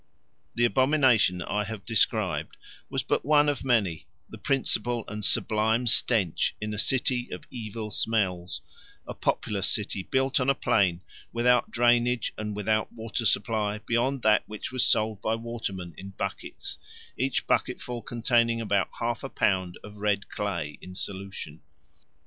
The abomination I have described was but one of many the principal and sublime stench in a city of evil smells, a populous city built on a plain without drainage and without water supply beyond that which was sold by watermen in buckets, each bucketful containing about half a pound of red clay in solution.